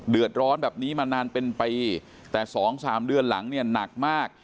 เดือดร้อนแบบนี้มานานเป็นปีแต่๒๓เดือนหลังเนี่ยหนักมาก